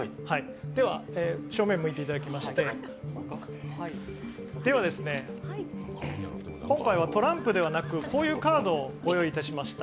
では正面向いていただきましてでは、今回はトランプではなくこういうカードをご用意しました。